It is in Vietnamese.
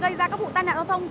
gây ra các vụ tai nạn giao thông